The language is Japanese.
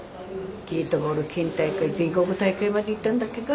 ゲートボール県大会全国大会まで行ったんだっけか？